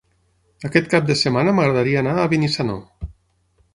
Aquest cap de setmana m'agradaria anar a Benissanó.